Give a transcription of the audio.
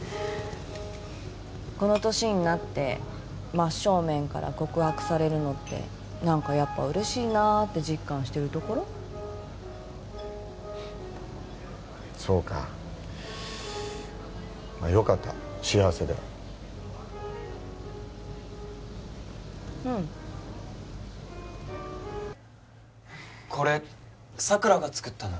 この年になって真っ正面から告白されるのってなんかやっぱ嬉しいなって実感してるところそうかまあよかった幸せでうんこれ佐倉が作ったの？